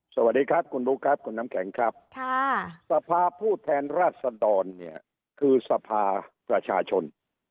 สวัสดีครับคุณบุ๊คครับคุณน้ำแข็งครับค่ะสภาผู้แทนราชดรเนี่ยคือสภาประชาชน